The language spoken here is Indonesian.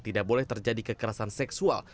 tidak boleh terjadi kekerasan seksual